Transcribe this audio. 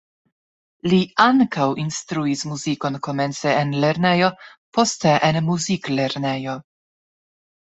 Li ankaŭ instruis muzikon komence en lernejo, poste en muziklernejo.